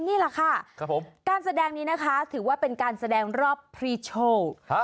นี่แหละค่ะการแสดงนี้นะคะถือว่าเป็นการแสดงรอบพรีชัล